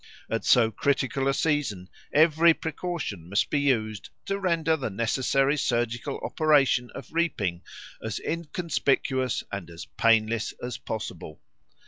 At so critical a season every precaution must be used to render the necessary surgical operation of reaping as inconspicuous and as painless as possible.